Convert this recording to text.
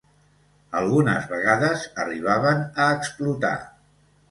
Algunes vegades arribaven a explotar.